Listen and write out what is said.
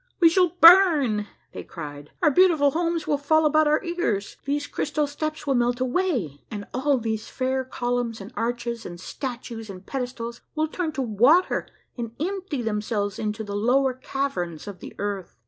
"We shall burn," they cried; "our beautiful homes will fall about our ears. These crystal steps will melt away, and all these fair columns and arches and statues and pedestals will turn to water and empty themselves into the lower caverns of the earth.